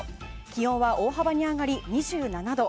気温は大幅に上がり２７度。